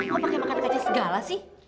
lo pake makan kaca segala sih